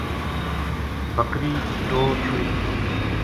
بکر ی ٹور چھُڑی